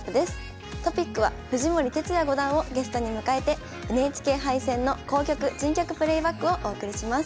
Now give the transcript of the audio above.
トピックは藤森哲也五段をゲストに迎えてＮＨＫ杯戦の「好局珍局プレーバック」をお送りします。